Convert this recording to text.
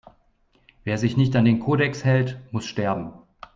Wer sich nicht an den Kodex hält, muss sterben!